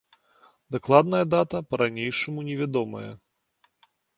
Дакладная дата па-ранейшаму невядомая.